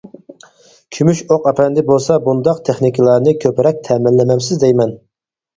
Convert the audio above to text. كۆمۈش ئوق ئەپەندى بولسا بۇنداق تېخنىكىلارنى كۆپرەك تەمىنلىمەمسىز دەيمەن.